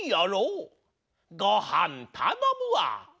ごはんたのむわ。